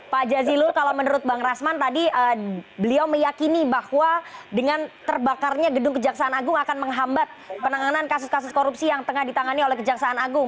pak jazilul kalau menurut bang rasman tadi beliau meyakini bahwa dengan terbakarnya gedung kejaksaan agung akan menghambat penanganan kasus kasus korupsi yang tengah ditangani oleh kejaksaan agung